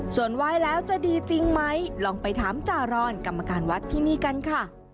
ส่วนไหว้แล้วจะดีจริงไหมลองไปถามจารอนกรรมการวัดที่นี่กันค่ะ